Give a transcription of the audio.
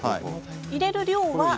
入れる量は？